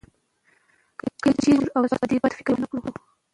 که چېرې موږ او تاسو په دې بيت فکر وکړو